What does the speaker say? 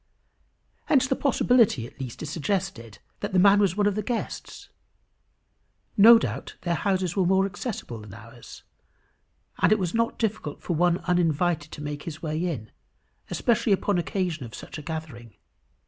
] Hence the possibility at least is suggested, that the man was one of the guests. No doubt their houses were more accessible than ours, and it was not difficult for one uninvited to make his way in, especially upon occasion of such a gathering.